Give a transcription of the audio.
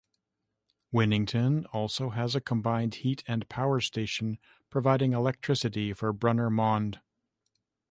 Winnington also has a combined heat and power station, providing electricity for Brunner Mond.